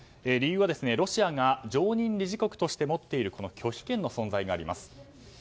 理由はロシアが常任理事国として持っている拒否権の存在があります。